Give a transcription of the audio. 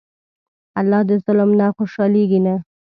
الله د ظلم نه خوشحالېږي نه.